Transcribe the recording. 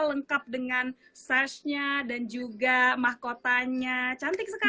lengkap dengan sash nya dan juga mahkotanya cantik sekali ya